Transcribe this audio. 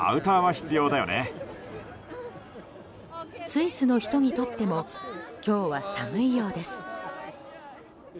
スイスの人にとっても今日は寒いようです。